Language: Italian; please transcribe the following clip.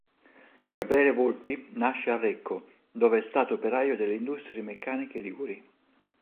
Gabriele Volpi nasce a Recco dove è stato operaio delle Industrie Meccaniche Liguri.